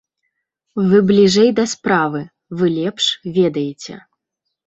Вы бліжэй да справы, вы лепш ведаеце.